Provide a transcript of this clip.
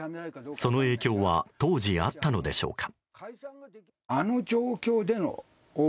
その影響は、当時あったのでしょうか。